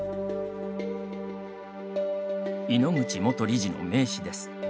井ノ口元理事の名刺です。